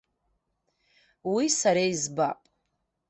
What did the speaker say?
Уи сара избап.